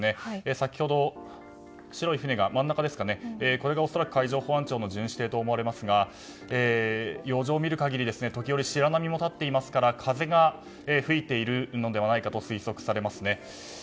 先ほど、白い船が恐らく海上保安庁の巡視艇と思われますが洋上を見る限り時折、白波も立っていますから風が吹いているのではないかと推測されます。